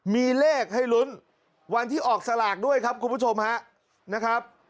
มีเลขให้ลุ้นวันที่ออกสลากด้วยครับคุณผู้ชมฮะนะครับ